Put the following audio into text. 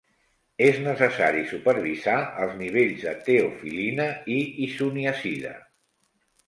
És necessari supervisar els nivells de teofil·lina i isoniazida.